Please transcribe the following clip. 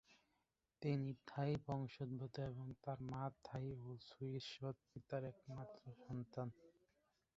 তিনি থাই বংশোদ্ভূত এবং তার থাই মা ও সুইস সৎ-পিতার একমাত্র সন্তান।